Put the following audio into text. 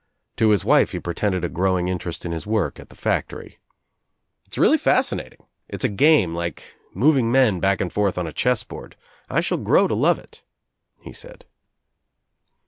To his wife he pretended a grow ing interest in his work at the factory. "It's really fascinating. It's a game, like moving men back and forth on a chess board. I shall grow to love tt," he said.